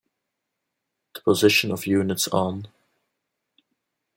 The position of units on...